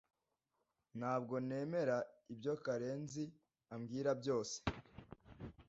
Ntabwo nemera ibyo Karenzi ambwira byose.